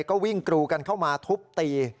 ก็วิ่งกรูกันเข้ามาทุบตี